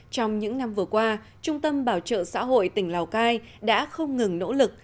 trong những năm vừa qua trung tâm bảo trợ xã hội tỉnh lào cai đã không ngừng nỗ lực